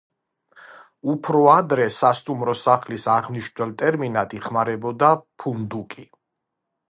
უფრო ადრე სასტუმრო სახლის აღმნიშვნელ ტერმინად იხმარებოდა ფუნდუკი.